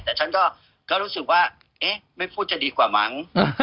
แต่ฉันก็รู้สึกว่าเอ๊ะไม่พูดจะดีกว่ามั้ง